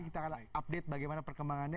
kita akan update bagaimana perkembangannya